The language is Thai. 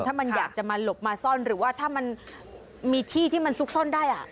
ถ้ามันอยากจะมาหลบมาซ่อนหรือว่าถ้ามันมีที่ที่มันซุกซ่อนได้